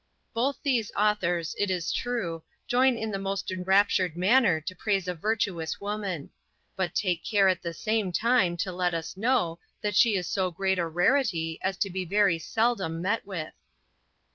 Both these authors, it is true, join in the most enraptured manner to praise a virtuous woman; but take care at the same time to let us know, that she is so great a rarity as to be very seldom met with.